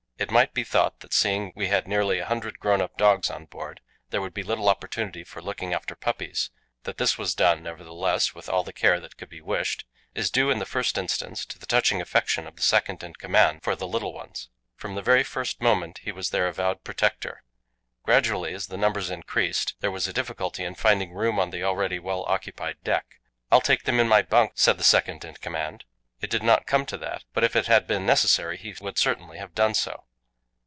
It might be thought that, seeing we had nearly a hundred grown up dogs on board, there would be little opportunity for looking after puppies; that this was done, nevertheless, with all the care that could be wished, is due in the first instance to the touching affection of the second in command for the little ones. From the very first moment he was their avowed protector. Gradually, as the numbers increased, there was a difficulty in finding room on the already well occupied deck. "I'll take them in my bunk," said the second in command. It did not come to that, but if it had been necessary he would certainly have done so.